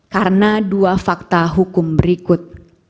karena dua fakta hukum berikut